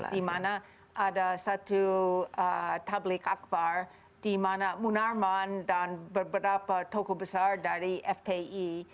di mana ada satu tablik akbar di mana munarman dan beberapa tokoh besar dari fpi